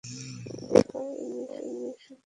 তিনি রিফাইয়া সুফি তরিকার অনুসারী ছিলেন।